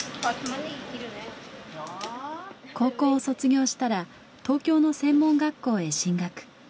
高校を卒業したら東京の専門学校へ進学。